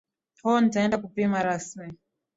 ho nitaenda kupima rasmi